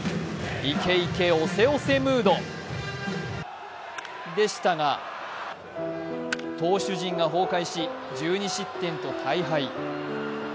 いけいけ押せ押せムードでしたが、投手陣が崩壊し１２失点と大敗。